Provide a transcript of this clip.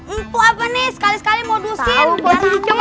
untuk apa nih sekali sekali modusin